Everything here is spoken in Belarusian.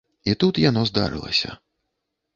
І тут яно здарылася.